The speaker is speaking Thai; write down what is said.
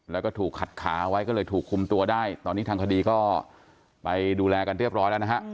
แล้วก็ถูกขัดขาไว้ก็เลยถูกคุมตัวได้ตอนนี้ทางคดีก็ไปดูแลกันเรียบร้อยแล้วนะฮะ